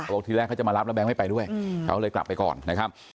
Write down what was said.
ทีแรกเขาจะมารับแล้วแก๊งไม่ไปด้วยเขาเลยกลับไปก่อนนะครับ